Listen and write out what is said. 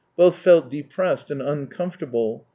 Both felt depressed and uncomfortable.